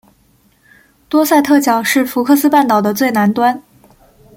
多塞特角是福克斯半岛的最南端。